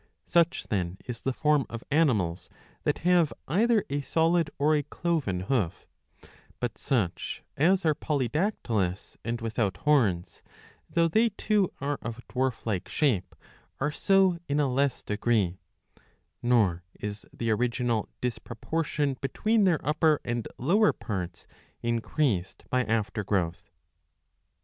Such then is the form of animals that have either •a solid or a cloven hoof But such as are polydactylous and without horns; though they too are of dwarf like shape, are so in a less degree ; nor is the original disproportion between their upper and lower parts increased by aftergrowth.